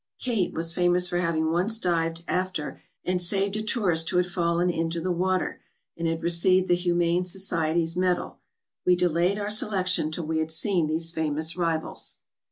Kate was famous for having once dived after and saved a tourist who had fallen into the water, and had received the Humane Society's medal. We delayed our selection till we had seen these famous rivals.